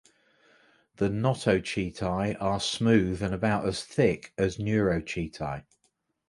The notochaetae are smooth and about as thick as neurochaetae.